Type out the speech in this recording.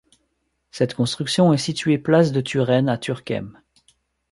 Cette construction est située place de Turenne à Turckheim.